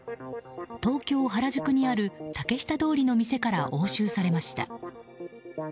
東京・原宿にある竹下通りの店から押収されました。